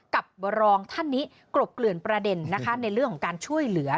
กับรองท่านนี้กรบเกลื่อนประเด็นนะคะในเรื่องของการช่วยเหลือ